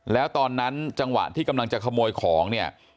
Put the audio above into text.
แล้วตอนนั้นจังหวะที่กำลังจะขโมยของเนี่ย